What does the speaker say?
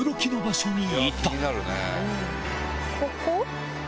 ここ？